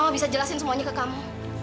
kamu bisa jelasin semuanya ke kamu